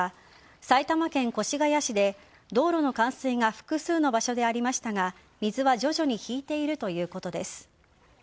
埼玉県越谷市で、道路の冠水が複数の場所でありましたが水は徐々に引いているということです。